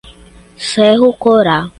Cerro Corá